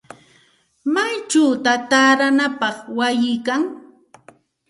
¿Maychawta taaranapaq wayi kan?